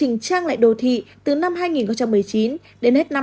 trình trang lại đồ thị từ năm hai nghìn một mươi chín đến hết năm hai nghìn hai mươi ba